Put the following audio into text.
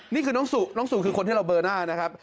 นี่คือน้องสู่คือคนที่เราเบอร์หน้านะครับ